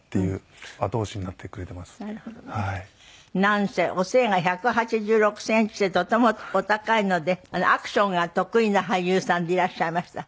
なんせお背が１８６センチでとてもお高いのでアクションが得意な俳優さんでいらっしゃいました。